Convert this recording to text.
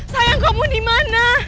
sayang kamu dimana